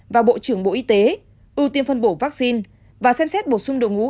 và bộ trưởng bộ y tế ưu tiên phân bổ vaccine và xem xét bổ sung đội ngũ